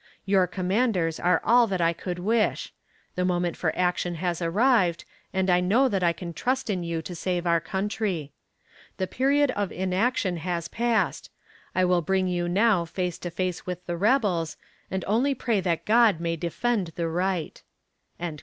Your commanders are all that I could wish. The moment for action has arrived, and I know that I can trust in you to save our country. The period of inaction has passed. I will bring you now face to face with the rebels, and only pray that God may defend the right."